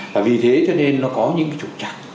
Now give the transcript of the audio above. và vì thế cho nên nó có những trục trạng